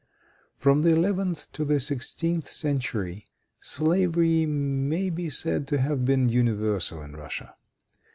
From the eleventh to the sixteenth century, slavery may be said to have been universal in Russia.